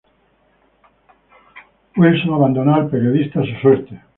Wilson abandonó al periodista a su suerte.